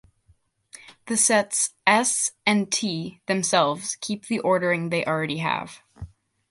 The sets "S" and "T" themselves keep the ordering they already have.